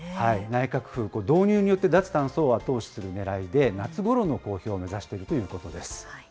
内閣府、導入によって脱炭素を後押しするねらいで、夏ごろの公表を目指しているということです。